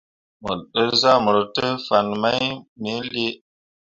Mo dǝ zahmor te fan mai me lii.